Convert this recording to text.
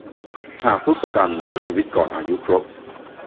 หากผู้ประกันเสียชีวิตก่อนอายุครบ